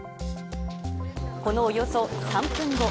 このおよそ３分後。